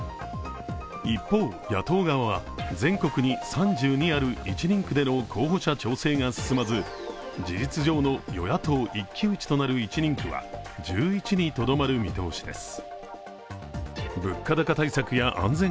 一方、野党側は全国に３２ある１人区での候補者調整が進まず事実上の与野党一騎打ちとなる１人区は１１にとどまる見通しです。